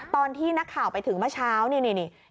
ตอนที่นักข่าวไปถึงเมื่อเช้านี่นี่เห็นไหมคะ